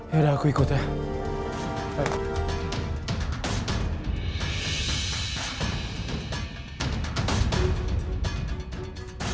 yaudah aku ikut ya